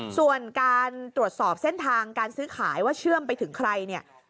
ส่วนการตรวจสอบเส้นทางการซื้อขายว่าเชื่อมไปถึงใครเนี่ย